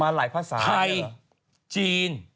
ไทยจีน